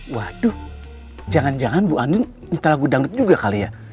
waduh jangan jangan bu ani minta lagu dangdut juga kali ya